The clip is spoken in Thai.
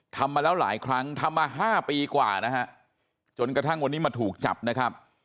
ทำมาแล้วหลายครั้งทำมา๕ปีกว่านะฮะจนกระทั่งวันนี้มาถูกจับนะครับ